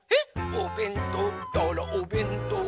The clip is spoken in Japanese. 「おべんとうったらおべんとう！